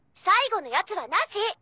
最後のやつはなし！